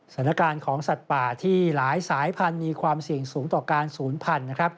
สถานการณ์ของสัตว์ป่าที่หลายสายพันธุ์มีความเสี่ยงสูงต่อการศูนย์พันธุ์นะครับ